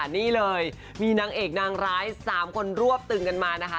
นี่เลยมีนางเอกนางร้าย๓คนรวบตึงกันมานะคะ